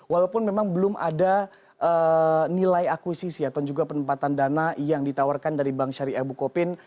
walaupun memang belum ada nilai akuisisi atau juga penempatan dana yang ditawarkan dari bank syariah bukopin